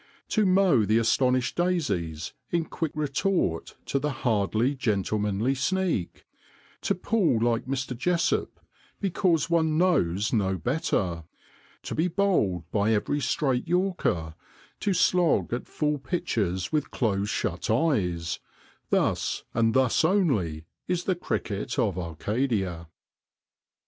To mow the astonished 112 REAL CRICKET 113 daisies in quick retort to the hardly gentlemanly sneak ; to pull like Mr. Jessop because one knows no better ; to be bowled by every straight yorker ; to slog at full pitches with close shut eyes ; thus and thus only is the cricket of Arcadia.